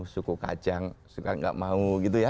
suku kajang juga tidak mau